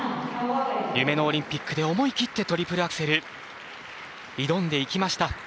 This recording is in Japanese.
夢のオリンピックで、思い切ってトリプルアクセル挑んでいきました。